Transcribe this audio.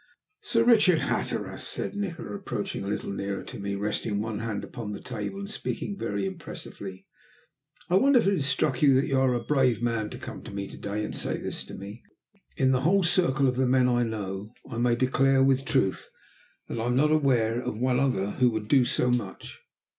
"Sir Richard Hatteras," said Nikola, approaching a little nearer to me, resting one hand upon the table and speaking very impressively, "I wonder if it has struck you that you are a brave man to come to me to day and to say this to me? In the whole circle of the men I know I may declare with truth that I am not aware of one other who would do so much.